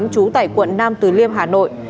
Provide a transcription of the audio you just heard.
chú tại quận nam từ liêm hà nội